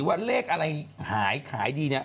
ว่าเลขอะไรหายดี